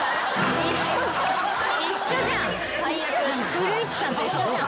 古市さんと一緒じゃん。